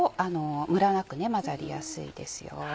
ムラなく混ざりやすいですよ。